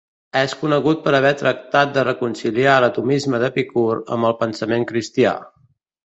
És conegut per haver tractat de reconciliar l'atomisme d'Epicur amb el pensament cristià.